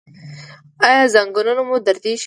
ایا زنګونونه مو دردیږي؟